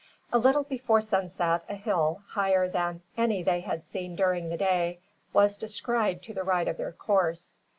A little before sunset a hill, higher than any they had seen during the day, was descried to the right of their course.